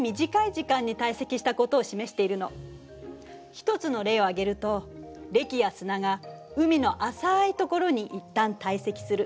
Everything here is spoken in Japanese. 一つの例を挙げるとれきや砂が海の浅い所に一旦堆積する。